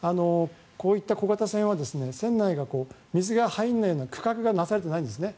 こういった小型船は船内が水が入らないような区画がなされてないんですね。